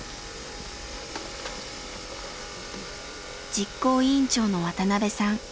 実行委員長の渡邊さん。